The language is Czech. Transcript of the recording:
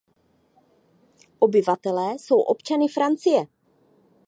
Obyvatelé jsou občany Francie.